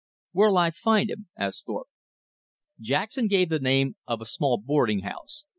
"Where'll I find him?" asked Thorpe. Jackson gave the name of a small boarding house.